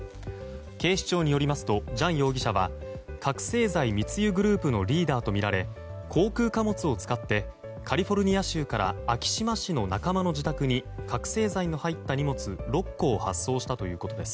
警視庁によりますとジャン容疑者は覚醒剤密輸グループのリーダーとみられ航空貨物を使ってカリフォルニア州から昭島市の仲間の自宅に覚醒剤の入った荷物６個を発送したということです。